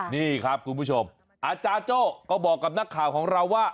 นี่ครับคุณผู้ชมอาจารย์โจ้ก็บอกกับนักข่าวของเราว่า